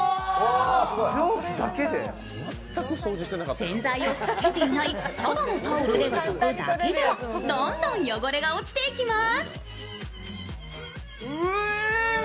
洗剤をつけていないただのタオルで拭くだけでどんどん汚れが落ちていきます。